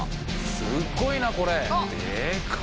すごいなこれ！